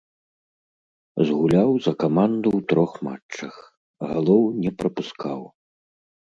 Згуляў за каманду ў трох матчах, галоў не прапускаў.